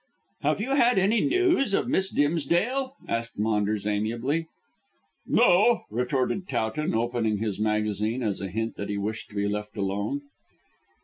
"Have you had any news of Miss Dimsdale?" asked Maunders amiably. "No," retorted Towton, opening his magazine as a hint that he wished to be left alone.